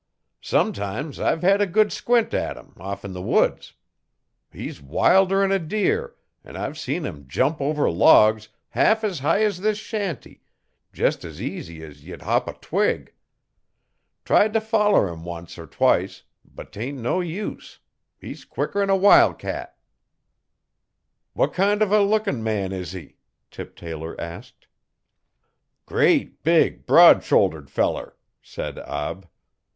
Sometimes I've hed a good squint at 'im off 'n the woods. He's wilder 'n a deer an' I've seen 'im jump over logs, half as high as this shanty, jest as easy as ye 'd hop a twig. Tried t' foller 'im once er twice but tain' no use. He's quicker 'n a wil' cat.' 'What kind of a lookin' man is he?' Tip Taylor asked. 'Great, big, broad shouldered feller,' said Ab.